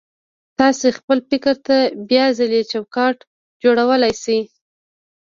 تاسې خپل فکر ته بيا ځلې چوکاټ جوړولای شئ.